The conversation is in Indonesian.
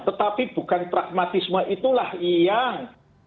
tetapi bukan pragmatisme itulah yang